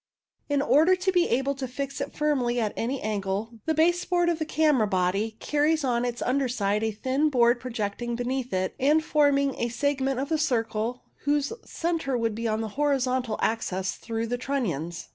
In order to be able to fix it firmly at any angle, the base board of the camera body carries on its underside a thin board projecting beneath it and forming a segment of a circle whose centre would be the horizontal axis through the trunnions.